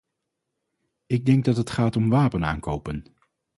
Ik denk dat het gaat om wapenaankopen.